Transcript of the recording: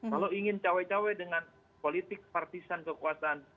kalau ingin cawe cawe dengan politik partisan kekuasaan